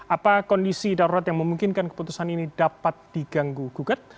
apa kondisi darurat yang memungkinkan keputusan ini dapat diganggu gugat